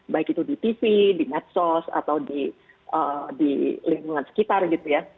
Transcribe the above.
baik itu di tv di medsos atau di lingkungan sekitar gitu ya